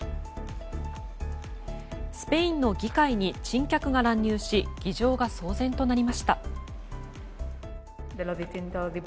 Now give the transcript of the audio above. スペインの議会に珍客が乱入し議場が騒然となりました。